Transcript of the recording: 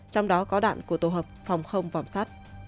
trong đó có đạn của tổ hợp phòng không vòm sát